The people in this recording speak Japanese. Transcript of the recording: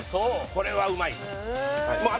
これはうまいまあ